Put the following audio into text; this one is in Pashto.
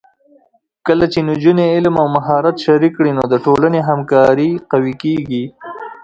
کله چې نجونې علم او مهارت شریک کړي، نو د ټولنې همکاري قوي کېږي.